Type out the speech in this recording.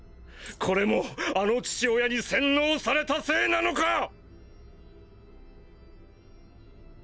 これもあの父親に洗脳されたせいなのか⁉